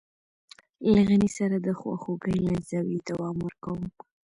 له غني سره د خواخوږۍ له زاويې دوام ورکوم.